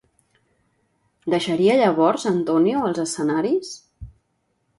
Deixaria llavors Antonio els escenaris?